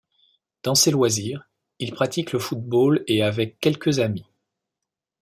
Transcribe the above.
Dans ses loisirs, il pratique le football et avec quelques amis.